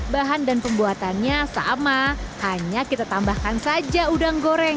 bahan dan pembuatannya sama hanya kita tambahkan saja udang goreng